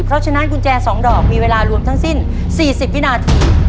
เพราะฉะนั้นกุญแจ๒ดอกมีเวลารวมทั้งสิ้น๔๐วินาที